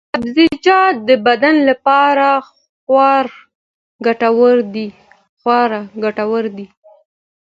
سبزیجات د بدن لپاره خورا ګټور دي.